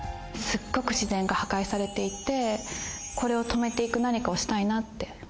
すっごく自然が破壊されていてこれを止めていく何かをしたいなって。